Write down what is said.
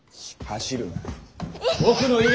走るな。